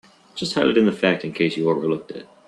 Just highlighting that fact in case you overlooked it.